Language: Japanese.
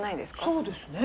そうですね。